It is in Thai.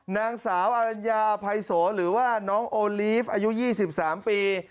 นางสาวอรัญญาอภัยโสหรือว่าน้องโอลีฟอายุ๒๓ปี